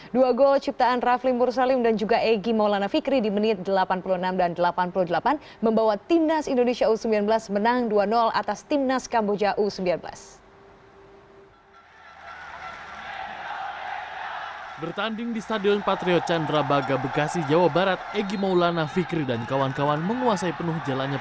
dua gol ciptaan rafli mursalim dan juga egy maulana fikri di menit delapan puluh enam dan delapan puluh delapan membawa timnas indonesia u sembilan belas menang dua atas timnas kamboja u sembilan belas